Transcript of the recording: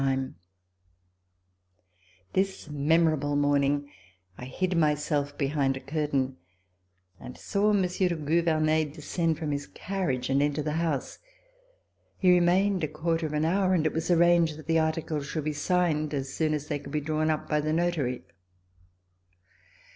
RECOLLECTIONS OF THE REVOLUTION This memorable morning I hid myself behind a curtain and saw Monsieur de Gouvernet descend from his carriage and enter the house. He remained a quarter of an hour, and it was arranged that the articles should be signed as soon as they could be drawn up by the notary.